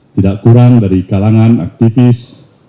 tidak kurang dari kalangan aktivis